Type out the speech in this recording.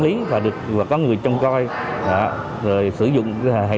lý và được có người trông coi rồi sử dụng hệ thống cháy cháy